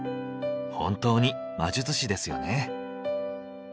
本当に魔術師ですよね。